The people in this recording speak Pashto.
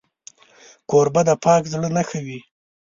کوربه د پاک زړه نښه وي.